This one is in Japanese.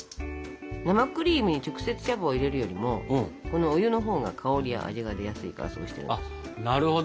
生クリームに直接茶葉を入れるよりもこのお湯のほうが香りや味が出やすいからそうしてます。